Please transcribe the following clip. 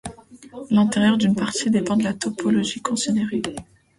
L'intérieur d'une partie dépend de la topologie considérée.